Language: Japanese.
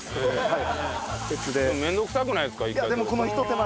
はい。